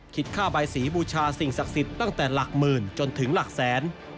ค่าใบสีบูชาสิ่งศักดิ์สิทธิ์ตั้งแต่หลักหมื่นจนถึงหลักแสน